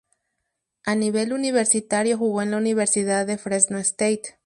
A nivel universitario jugo en la Universidad de Fresno State.